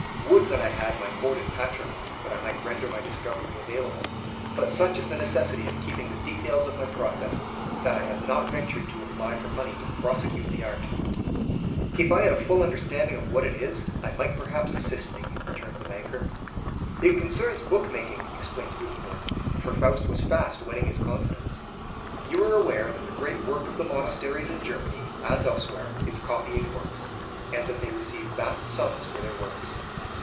Would that I had my hoarded patrimony, that I might render my discovery available! But such is the necessity of keeping the details of my processes, that I have not ventured to apply for money to prosecute the art." "If I had a full understanding of what it is, I might perhaps assist thee," returned the banker. "It concerns book making," explained Gutenberg, for Faust was fast winning his confidence. "You are aware that the great work of the monasteries in Germany, as elsewhere, is copying books, and that they receive vast sums for their works.